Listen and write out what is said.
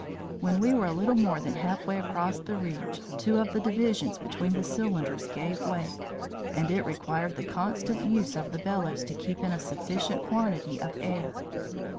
When we were a little more than half way across the reach, two of the divisions between the cylinders gave way, and it required the constant use of the bellows to keep in a sufficient quantity of air.